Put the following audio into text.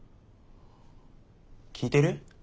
聞いてる？